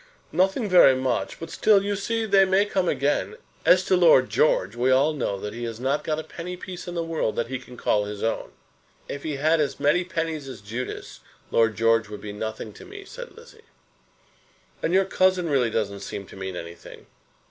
"Nothing very much; but still, you see, they may come again. As to Lord George, we all know that he has not got a penny piece in the world that he can call his own." "If he had as many pennies as Judas, Lord George would be nothing to me," said Lizzie. "And your cousin really doesn't seem to mean anything."